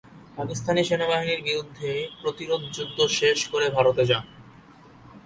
পাকিস্তানি সেনাবাহিনীর বিরুদ্ধে প্রতিরোধযুদ্ধ শেষ করে ভারতে যান।